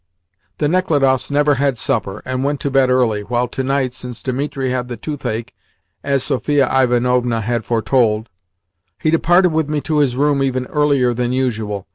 The Nechludoffs never had supper, and went to bed early, while to night, since Dimitri had the toothache (as Sophia Ivanovna had foretold), he departed with me to his room even earlier than usual.